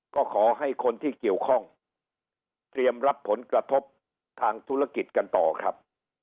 ก็ขอให้คนที่เกี่ยวข้องเตรียมรับผลกระทบทางธุรกิจกันต่อครับ